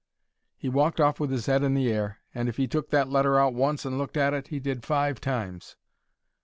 He walked off with his 'ead in the air, and if 'e took that letter out once and looked at it, he did five times.